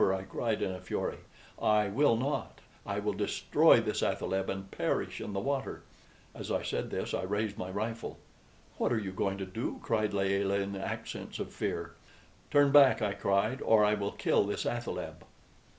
I cried, in a fury. "I will not; I will destroy this athaleb and perish in the water!" As I said this I raised my rifle. "What are you going to do?" cried Layelah, in accents of fear. "Turn back," I cried, "or I will kill this athaleb!"